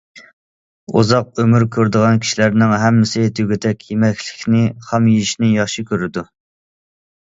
ئۇزاق ئۆمۈر كۆرىدىغان كىشىلەرنىڭ ھەممىسى دېگۈدەك يېمەكلىكنى خام يېيىشنى ياخشى كۆرىدۇ.